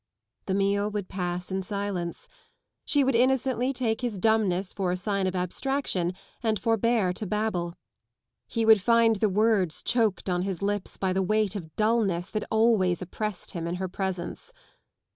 The meal would pass in silence. She would innocently take his dumbness for a sign of abstraction and forbear to babble. He would find the words choked on his lips by the weight of dullness that always oppressed him in her presence.